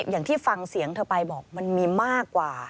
อย่างที่ฟังเสียงเธอไปบอกมันมีมากกว่า